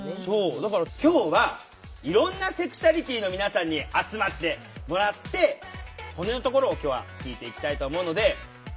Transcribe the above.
だから今日はいろんなセクシュアリティーの皆さんに集まってもらって本音のところを今日は聞いていきたいと思うので。